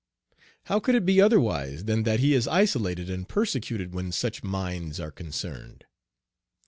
How could it be otherwise than that he be isolated and persecuted when such minds are concerned?